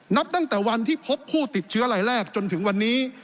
นับตั้งแต่วันที่พบผู้ติดเชื้อรายแรกจนถึงวันนี้